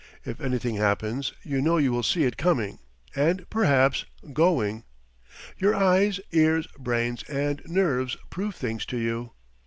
If anything happens, you know you will see it coming, and perhaps going: your eyes, ears, brains, and nerves prove things to you.